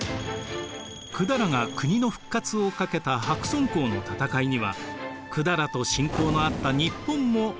百済が国の復活をかけた白村江の戦いには百済と親交のあった日本も援軍を送っていました。